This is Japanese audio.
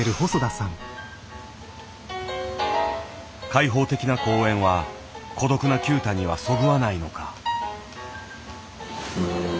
開放的な公園は孤独な九太にはそぐわないのか。